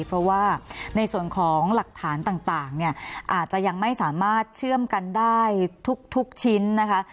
เพราะว่าในส่วนของหลักฐานต่างเนี่ยอาจจะยังไม่สามารถเชื่อมกันได้ทุกชิ้นนะคะ